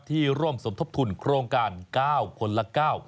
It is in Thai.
ร่วมสมทบทุนโครงการ๙คนละ๙